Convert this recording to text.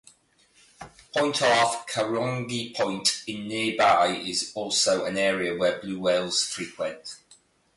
Point off Kahurangi Point in nearby is also an area where blue whales frequent.